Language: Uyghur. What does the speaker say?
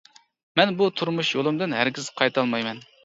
مەن بۇ تۇرمۇش يولۇمدىن ھەرگىز قايتالمايمەن.